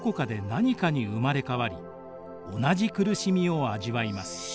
何かに生まれ変わり同じ苦しみを味わいます。